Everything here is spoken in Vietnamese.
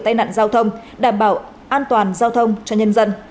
tai nạn giao thông đảm bảo an toàn giao thông cho nhân dân